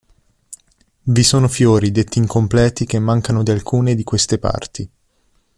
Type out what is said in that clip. Vi sono fiori detti incompleti che mancano di alcune di queste parti.